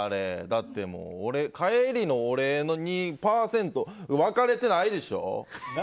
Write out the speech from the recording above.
だって帰りのお礼の２％分かれてないでしょ。